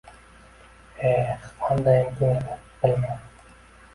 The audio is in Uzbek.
Eh, qandayin kun edi, bilmam